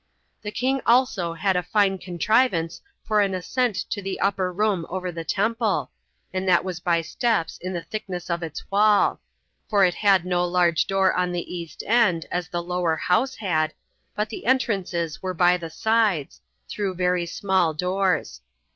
The king also had a fine contrivance for an ascent to the upper room over the temple, and that was by steps in the thickness of its wall; for it had no large door on the east end, as the lower house had, but the entrances were by the sides, through very small doors.